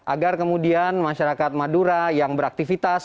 agar kemudian masyarakat madura yang beraktivitas